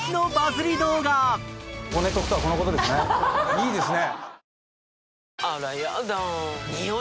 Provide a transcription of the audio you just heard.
いいですね。